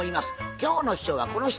今日の秘書はこの人。